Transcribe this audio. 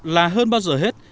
là hơn bao giờ hết